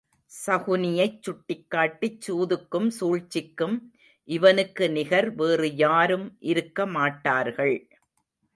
சகுனியைச் சுட்டிக்காட்டிச் சூதுக்கும் சூழ்ச்சிக்கும் இவனுக்கு நிகர் வேறு யாரும் இருக்க மாட்டார்கள்.